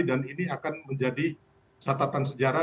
dan ini akan menjadi satatan sejarah